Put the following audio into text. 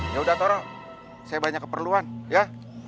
yaudah toro saya banyak keperluan ya